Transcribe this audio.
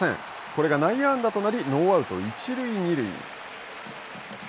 これが内野安打となりノーアウト、一塁二塁に。